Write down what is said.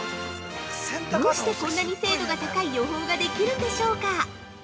どうして、こんなに精度が高い予報ができるんでしょうか。